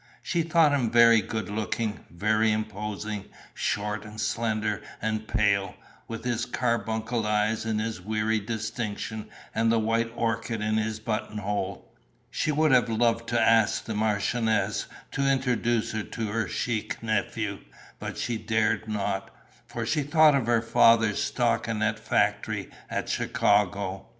She thought him very good looking, very imposing, short and slender and pale, with his carbuncle eyes and his weary distinction and the white orchid in his button hole. She would have loved to ask the marchioness to introduce her to her chic nephew, but she dared not, for she thought of her father's stockinet factory at Chicago.